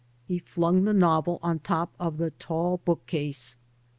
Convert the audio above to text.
He flung the novel on top of the tall book case.